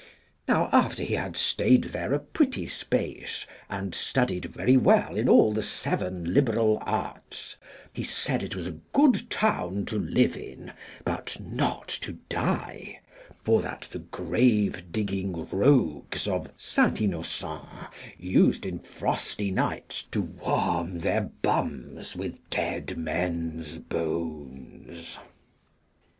Now after he had stayed there a pretty space, and studied very well in all the seven liberal arts, he said it was a good town to live in, but not to die; for that the grave digging rogues of St. Innocent used in frosty nights to warm their bums with dead men's bones.